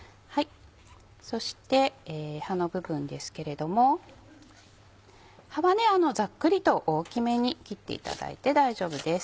そして葉の部分ですけれども葉はざっくりと大きめに切っていただいて大丈夫です。